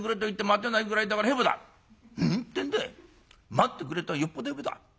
『待ってくれ』とはよっぽどヘボだ。